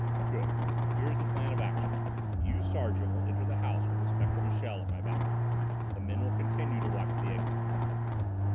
"Good. Here is the plan of action. You, Sergeant, will enter the house with Inspector Michel, at my back. The men will continue to watch the exit."